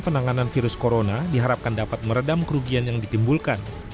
penanganan virus corona diharapkan dapat meredam kerugian yang ditimbulkan